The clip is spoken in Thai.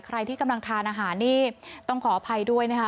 ใครที่กำลังทานอาหารนี่ต้องขออภัยด้วยนะคะ